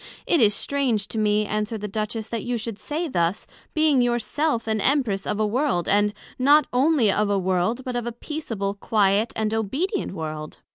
It is strange to me, answered the Duchess, that you should say thus, being your self, an Empress of a World; and not onely of a world, but of a peaceable, quiet, and obedient world.